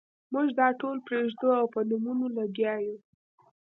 موږ دا ټول پرېږدو او په نومونو لګیا یو.